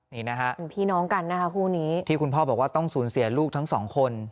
นี่นะฮะเป็นพี่น้องกันนะคะคู่นี้ที่คุณพ่อบอกว่าต้องสูญเสียลูกทั้งสองคน